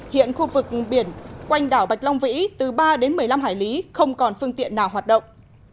hiện khu vực biển quanh đảo bạch long vĩ từ ba đến một mươi năm hải lý không còn phương tiện nào hoạt động